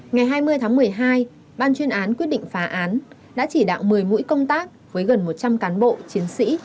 ngày hai mươi tháng một mươi hai ban chuyên án quyết định phá án đã chỉ đạo một mươi mũi công tác với gần một trăm linh cán bộ chiến sĩ